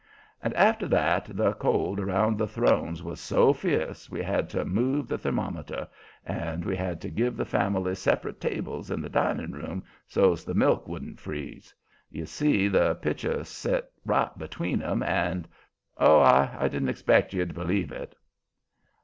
And after that the cold around the thrones was so fierce we had to move the thermometer, and we had to give the families separate tables in the dining room so's the milk wouldn't freeze. You see the pitcher set right between 'em, and Oh! I didn't expect you'd believe it.